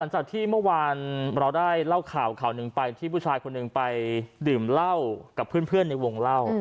เมื่อวานเราได้เล่าข่าวข่าวหนึ่งไปที่ผู้ชายคนหนึ่งไปดื่มเหล้ากับเพื่อนในวงเล่า